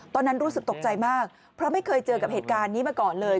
ตอนนั้นรู้สึกตกใจมากเพราะไม่เคยเจอกับเหตุการณ์นี้มาก่อนเลย